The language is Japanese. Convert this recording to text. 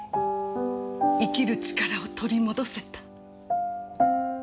生きる力を取り戻せた。